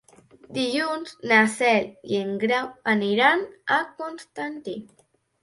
Dilluns na Cel i en Grau aniran a Constantí.